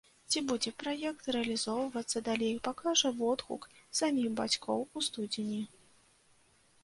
Ці будзе праект рэалізоўвацца далей, пакажа водгук саміх бацькоў у студзені.